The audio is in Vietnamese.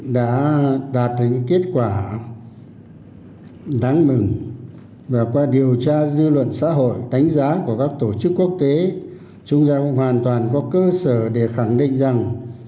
đã đạt được những kết quả đáng mừng và qua điều tra dư luận xã hội đánh giá của các tổ chức quốc tế chúng ta cũng hoàn toàn có cơ sở để khẳng định rằng